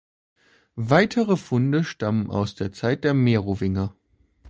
Weitere Funde stammen aus der Zeit der Merowinger.